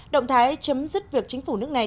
động thái chấm dứt việc chính phủ nước này